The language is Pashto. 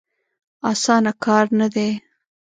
اسانه کار نه دی.